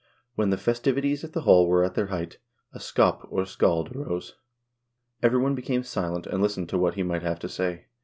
When the festivities at the hall were at their height, a scop, or scald, arose. Every one became silent, and listened to what he might have to say.